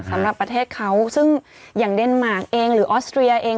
สำหรับประเทศเขาซึ่งอย่างเดนมาร์กเองหรือออสเตรียเอง